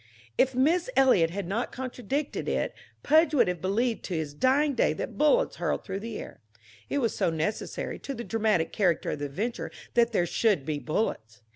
If Miss Eliot had not contradicted it, Pudge would have believed to his dying day that bullets hurtled through the air; it was so necessary to the dramatic character of the adventure that there should be bullets.